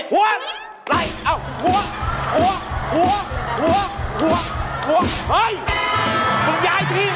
คอติด้วยไหม